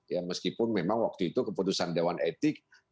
ya meskipun memang waktu itu keputusan dewan etik